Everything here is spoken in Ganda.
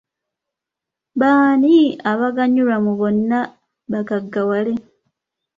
Baani abaganyulwa mu bonna bagaggawale?